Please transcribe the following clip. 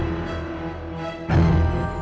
saya kundang kalau satu hirup